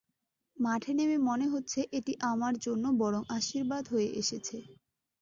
মাঠে নেমে মনে হচ্ছে, এটি আমার জন্য বরং আশীর্বাদ হয়ে এসেছে।